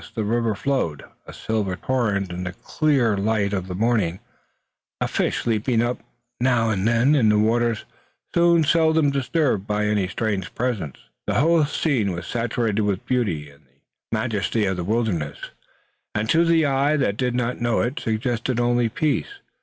The river flowed, a silver torrent, in the clear light of the morning, a fish leaping up now and then in the waters so seldom stirred by any strange presence. The whole scene was saturated with the beauty and the majesty of the wilderness, and to the eye that did not know it suggested only peace.